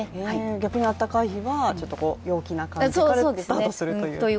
逆にあったかい日はちょっと陽気な感じからスタートするという。